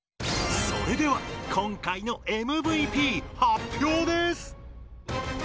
それでは今回のＭＶＰ発表です！